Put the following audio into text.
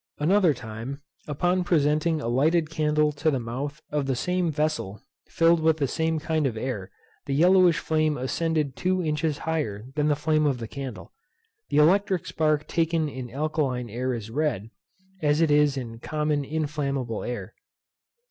At another time, upon presenting a lighted candle to the mouth of the same vessel, filled with the same kind of air, the yellowish flame ascended two inches higher than the flame of the candle. The electric spark taken in alkaline air is red, as it is in common inflammable air.